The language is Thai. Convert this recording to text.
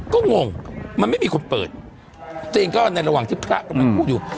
ก็งงมันไม่มีคนเปิดตัวเองก็ในระหว่างที่พระกำลังพูดอยู่